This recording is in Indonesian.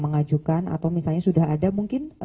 mengajukan atau misalnya sudah ada mungkin